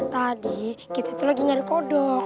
tadi kita itu lagi nyari kodok